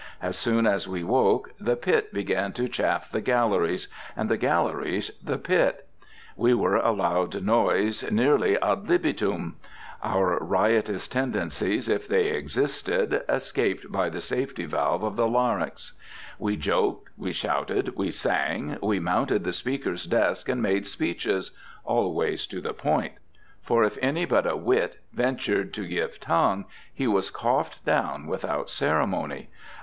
As soon as we woke, the pit began to chaff the galleries, and the galleries the pit. We were allowed noise nearly ad libitum. Our riotous tendencies, if they existed, escaped by the safety valve of the larynx. We joked, we shouted, we sang, we mounted the Speaker's desk and made speeches, always to the point; for if any but a wit ventured to give tongue, he was coughed down without ceremony.